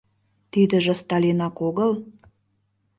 Тидыже Сталинак огыл?